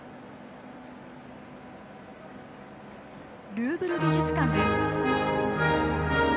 ルーブル美術館です。